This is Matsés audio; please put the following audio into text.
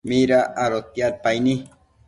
mida adotiadpaini